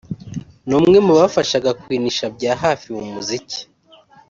ni umwe mu bafashaga Queen Cha bya hafi mu muziki